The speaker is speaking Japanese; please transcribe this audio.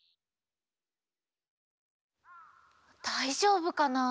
だいじょうぶかな？